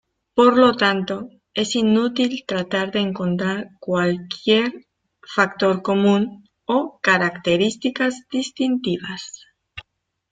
Por lo tanto, es inútil tratar de encontrar cualquier "factor común" o características distintivas.